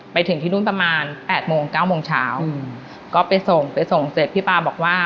ไปถึงที่นู่นประมาณแปดโมงเก้าโมงเช้าอืมก็ไปส่งไปส่งเสร็จพี่ป๊าบอกว่า